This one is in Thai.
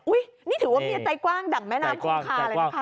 นี่ถือว่าเมียใจกว้างดั่งแม่น้ำคงคาเลยนะคะ